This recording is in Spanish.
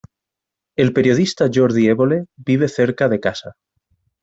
El periodista Jordi Evole vive cerca de casa.